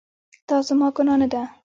دا زما ګناه نه ده